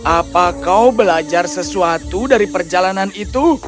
apa kau belajar sesuatu dari perjalanan itu